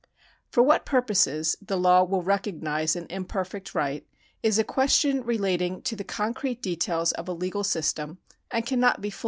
For what purposes the law will recognise an imperfect right is a question relating to the concrete details of a legal system, and cannot be fully discussed here.